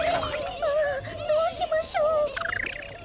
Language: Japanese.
ああどうしましょう。